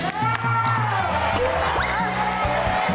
ี่ง